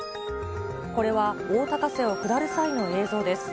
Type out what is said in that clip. これは大高瀬を下る際の映像です。